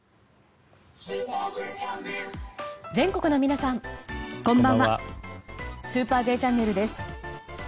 全国の皆さん、こんばんは「スーパーＪチャンネル」です。